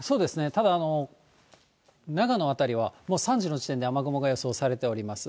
ただ、長野辺りは、もう３時の時点で雨雲が予想されております。